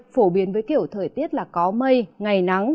phổ biến với kiểu thời tiết là có mây ngày nắng